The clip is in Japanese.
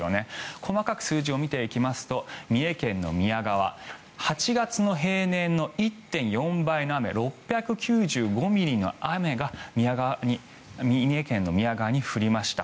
細かく数字を見ていきますと三重県の宮川８月の平年の１．４倍の雨６９５ミリの雨が三重県の宮川に降りました。